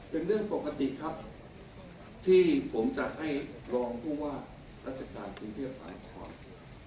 เป็นเรื่องปกติครับที่ผมจะให้รองผู้ว่ารัฐการเที่ยวบรรณครบันตรี